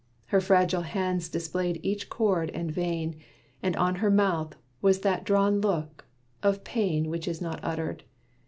Her fragile hands displayed each cord and vein, And on her mouth was that drawn look, of pain Which is not uttered.